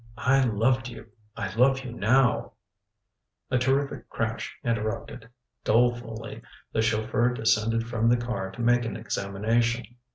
I loved you. I love you now " A terrific crash interrupted. Dolefully the chauffeur descended from the car to make an examination.